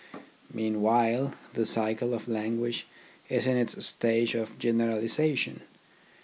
Meanwhile, the cycle of language is in its stage of generalization.